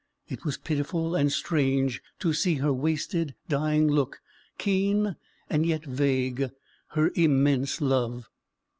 It was pitiful and strange to see her wasted dying look, keen and yet vague her immense love.